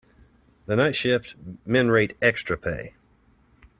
The night shift men rate extra pay.